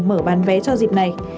mở bán vé cho dịp này